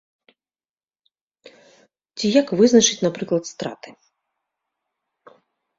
Ці як вызначыць, напрыклад, страты?